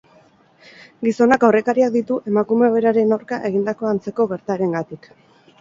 Gizonak aurrekariak ditu emakume beraren aurka egindako antzeko gertaerengatik.